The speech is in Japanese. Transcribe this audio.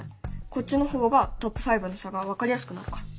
こっちの方がトップ５の差が分かりやすくなるから。